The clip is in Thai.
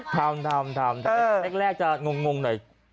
ทำแต่แรกจะงงหน่อย